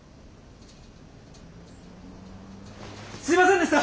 すいませんでした！